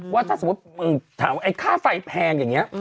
ว่าถ้าสมมติค่าไฟแพงอย่างนี้